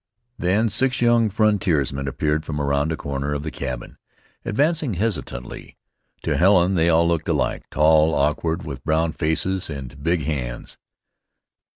Then six young frontiersmen appeared from around a corner of the cabin, advancing hesitatingly. To Helen they all looked alike, tall, awkward, with brown faces and big hands.